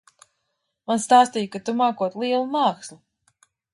Man stāstīja, ka tu mākot lielu mākslu.